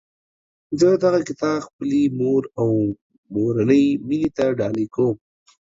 زه دغه کتاب خپلي مور او مورنۍ میني ته ډالۍ کوم